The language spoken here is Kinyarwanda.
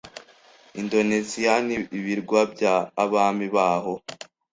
Indoneziyan'ibirwa bya Abami baho